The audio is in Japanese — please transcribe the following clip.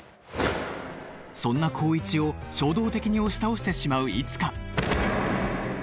そんな紘一を衝動的に押し倒してしまういつか